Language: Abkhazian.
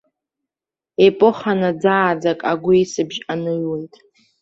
Епоха наӡааӡак агәеисыбжь аныҩуеит.